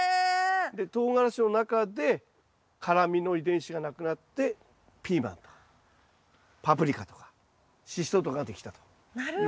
とうがらしの中で辛みの遺伝子がなくなってピーマンとかパプリカとかシシトウとかができたということですね。